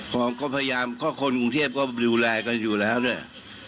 ผมก็พยายามก็คนกรุงเทพก็ดูแลกันอยู่แล้วด้วย